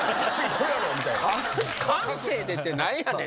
感性でって何やねんな。